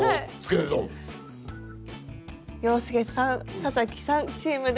洋輔さん佐々木さんチームで。